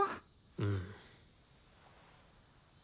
うん。